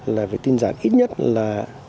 là với tinh giản ít nhất là một mươi